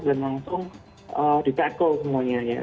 dan langsung di tackle semuanya ya